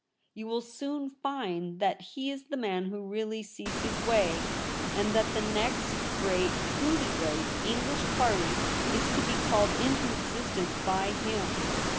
You will soon find that he is the man who really sees his way, and that the next great — truly great — English party is to be called into existence by him.